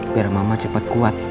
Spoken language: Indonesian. biar mama cepet kuat